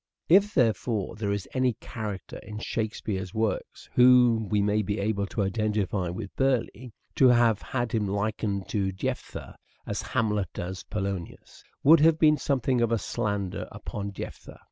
Burleigh If, therefore, there is any character in Shakespeare's works whom we may be able to identify with Burleigh, to have had him likened to Jephtha, as Hamlet does Polonius, would have been something of a slander upon Jephtha.